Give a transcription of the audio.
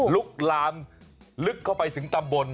ลุกลามลึกเข้าไปถึงตำบล